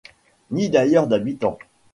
Ni d’ailleurs d’habitants.